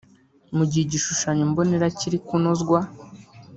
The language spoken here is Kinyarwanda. Mu gihe igishushanyo mbonera kiri kunozwa